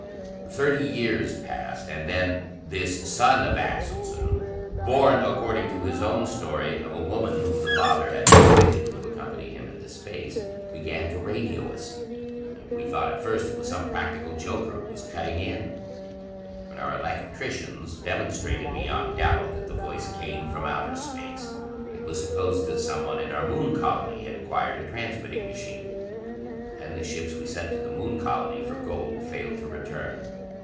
"Thirty years passed, and then this son of Axelson, born, according to his own story, of a woman whom the father had persuaded to accompany him into Space, began to radio us. We thought at first it was some practical joker who was cutting in. [Illustration: It was like struggling with some vampire creatures in a hideous dream.] "When our electricians demonstrated beyond doubt that the voice came from outer space, it was supposed that some one in our Moon Colony had acquired a transmitting machine. Then the ships we sent to the Moon Colony for gold failed to return.